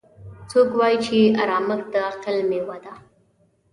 څوک وایي چې ارامښت د عقل میوه ده